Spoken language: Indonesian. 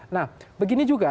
nah begini juga